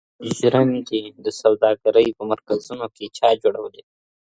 د اوړو ژرندې د سوداګرۍ په مرکزونو کي چا جوړولې؟